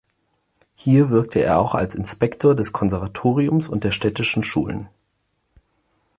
Hier wirkte er auch als Inspektor des Konservatoriums und der städtischen Schulen.